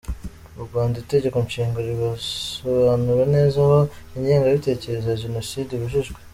Mu Rwanda Itegeko Nshinga, ribisobanura neza aho ‘ingengabitekerezo ya Jenoside ibujijwe’.